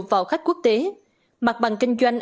vào khách quốc tế mặt bằng kinh doanh